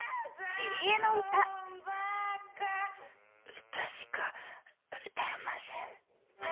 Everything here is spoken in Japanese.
キリエ：歌しか歌えません。